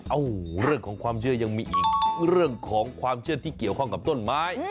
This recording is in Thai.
เรื่องของความเชื่อยังมีอีกเรื่องของความเชื่อที่เกี่ยวข้องกับต้นไม้